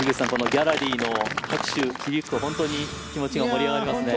ギャラリーの拍手が響くと本当に気持ちが盛り上がりますよね。